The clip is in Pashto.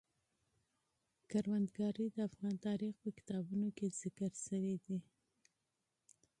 زراعت د افغان تاریخ په کتابونو کې ذکر شوی دي.